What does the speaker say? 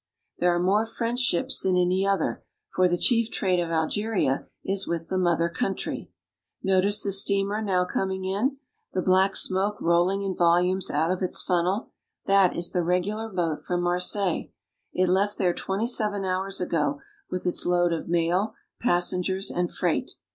There are more French ships than any other, for the chief trade of Algeria is with the mother country. Notice the steamer now coming in, the black smoke rolling in volumes out of its funnel. That is the regular boat from Marseilles. It left there twenty seven hours ago with its load of mail, passengers, and freight.